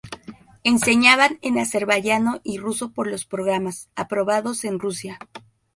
Enseñaban en azerbaiyano y ruso por los programas, aprobados en Rusia.